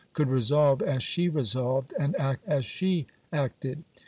could resolve as she resolved, and act as she acted?